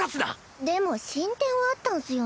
でも進展はあったんスよね？